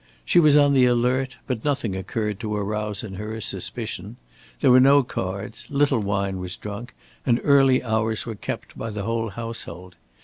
She was on the alert, but nothing occurred to arouse in her a suspicion. There were no cards, little wine was drunk, and early hours were kept by the whole household.